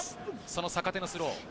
その坂手のスロー。